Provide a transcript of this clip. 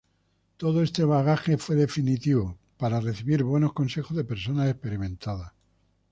Todo este bagaje fue definitivo, para recibir buenos consejos de personas experimentadas.